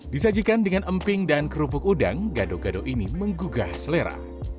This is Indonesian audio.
disajikan dengan emping dan kerupuk udang gado gado ini menggugah selera